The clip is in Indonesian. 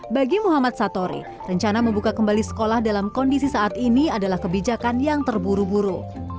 bagi muhammad satori rencana membuka kembali sekolah dalam kondisi saat ini adalah kebijakan yang terburu buru